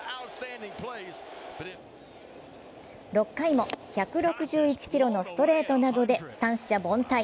６回も１６１キロのストレートなどで三者凡退。